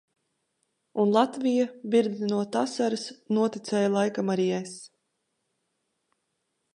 Un Latvija, birdinot asaras, noticēja, laikam arī es.